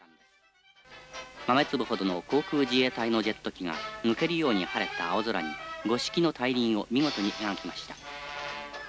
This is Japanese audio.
豆粒ほどの航空自衛隊のジェット機が、抜けるように晴れた青空に五色の大輪を見事に描きました。